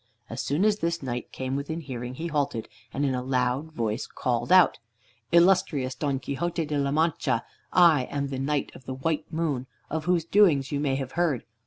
As soon as this knight came within hearing he halted, and in a loud voice called out: "Illustrious Don Quixote de la Mancha, I am the Knight of the White Moon, of whose doings you may have heard.